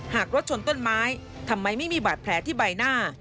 หากรถชนต้นไม้ทำไมไม่มีบาดแผลที่ใบหน้า